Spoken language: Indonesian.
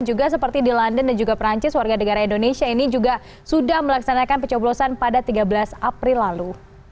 dan juga seperti di london dan juga perancis warga negara indonesia ini juga sudah melaksanakan pecah bulosan pada tiga belas april lalu